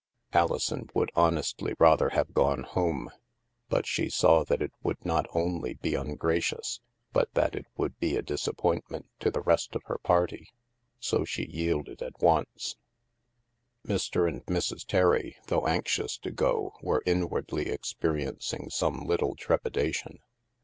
Alison would honestly rather have gone home; but she saw that it would not only be ungracious, but that it would be a disappointment to the rest of her party, so she yielded at once. €€ 316 THE MASK Mr. and Mrs. Terry, though anxious to go, were inwardly experiencing some little trepidation.